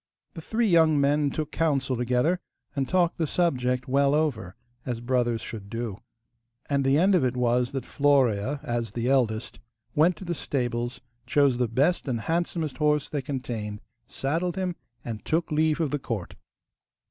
The three young men took counsel together, and talked the subject well over, as brothers should do. And the end of it was that Florea, as the eldest, went to the stables, chose the best and handsomest horse they contained, saddled him, and took leave of the court.